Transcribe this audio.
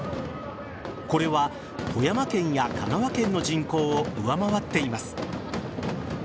これは富山県や香川県の人口を上回っています。